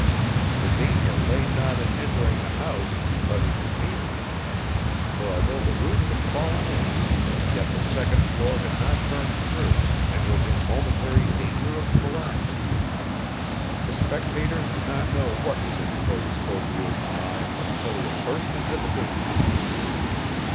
The danger lay not in entering the house, but in remaining in it, for although the roof had fallen in, yet the second floor had not burned through and was in momentary danger of collapse. The spectators did not know what was in Code Schofield's mind until he had burst into the danger zone.